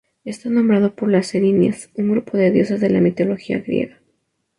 Está nombrado por las erinias, un grupo de diosas de la mitología griega.